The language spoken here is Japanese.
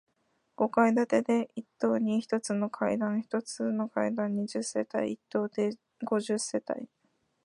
五階建てで、一棟に五つの階段、一つの階段に十世帯、一棟で五十世帯。